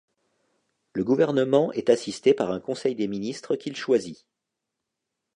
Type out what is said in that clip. Le gouvernement est assisté par un conseil des ministres qu'il choisit.